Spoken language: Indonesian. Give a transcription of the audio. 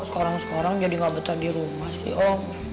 sekorang sekorang jadi gak betah di rumah sih om